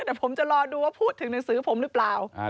เดี๋ยวผมจะรอดูว่าพูดถึงหนังสือผมหรือเปล่า